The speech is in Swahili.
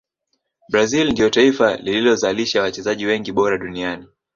brazil ndio taifa lililozalisha wachezaji wengi bora duniani